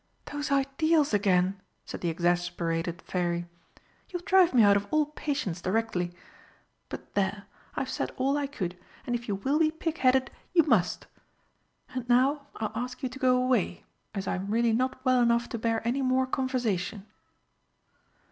"Those ideals again!" said the exasperated Fairy. "You'll drive me out of all patience directly! But there I've said all I could, and if you will be pig headed, you must. And now I'll ask you to go away, as I'm really not well enough to bear any more conversation."